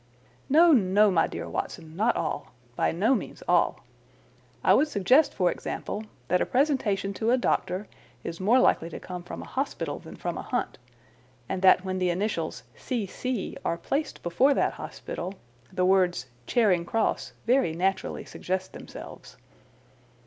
"No, no, my dear Watson, not all—by no means all. I would suggest, for example, that a presentation to a doctor is more likely to come from a hospital than from a hunt, and that when the initials 'C.C.' are placed before that hospital the words 'Charing Cross' very naturally suggest themselves."